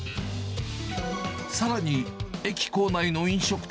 さらに、駅構内の飲食店